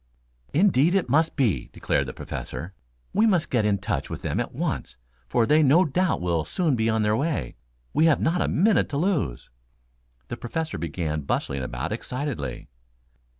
"Indeed, it must be," declared the Professor. "We must get in touch with them at once, for they no doubt will soon be on their way. We have not a minute to lose." The Professor began bustling about excitedly.